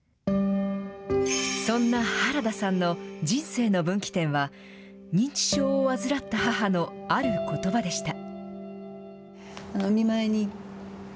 そんな原田さんの人生の分岐点は、認知症を患った母のあることばでした。